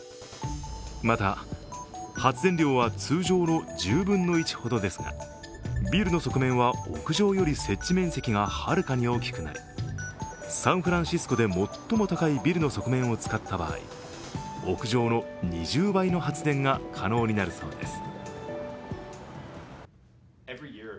また、発電量は通常の１０分の１ほどですが、ビルの側面は屋上より設置面積がはるかに大きくなりサンフランシスコで最も高いビルの側面を使った場合、屋上の２０倍の発電が可能になるそうです。